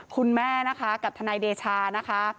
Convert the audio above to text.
คุณแม่นะคะกับทนายเดชานะคะ